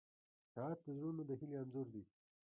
• ساعت د زړونو د هیلې انځور دی.